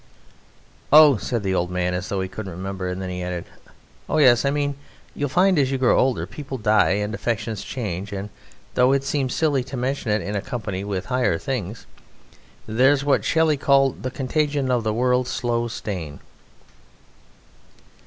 "Oh," said the old man as though he couldn't remember, and then he added: "Oh, yes, I mean you'll find, as you grow older, people die and affections change, and, though it seems silly to mention it in company with higher things, there's what Shelley called the 'contagion of the world's slow stain.'"